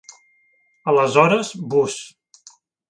Aleshores, Bus.